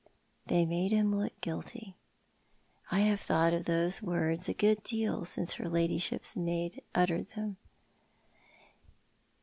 They made him look guilty. I have thought of those words a good deal since her ladyship's maid uttered them.